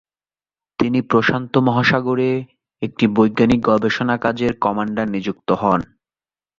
তিনি প্রশান্ত মহাসাগরে একটি বৈজ্ঞানিক গবেষণাকাজের কমান্ডার নিযুক্ত হন।